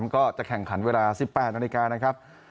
ก็จะแข่งขันเวลา๑๘นาฬิกานะครับ